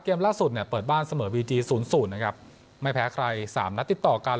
ล่าสุดเนี่ยเปิดบ้านเสมอบีจี๐๐นะครับไม่แพ้ใครสามนัดติดต่อกัน